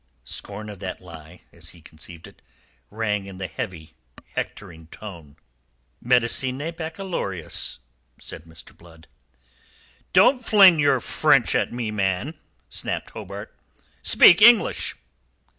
Scorn of that lie as he conceived it rang in the heavy, hectoring voice. "Medicinae baccalaureus," said Mr. Blood. "Don't fling your French at me, man," snapped Hobart. "Speak English!"